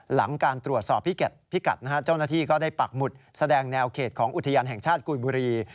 หลังการตรวจสอบพิกัดนะฮะเจ้าหน้าที่ก็ได้ปักหมุดแสดงแนวเขตของอุทยานแห่งชาติกุยบุรี